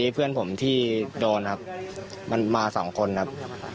เพื่อนผมที่โดนครับมันมา๒คนครับ